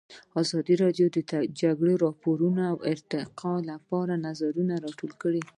ازادي راډیو د د جګړې راپورونه د ارتقا لپاره نظرونه راټول کړي.